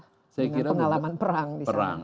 dengan pengalaman perang